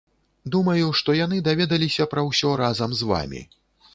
Думаю, што яны даведаліся пра ўсё разам з вамі.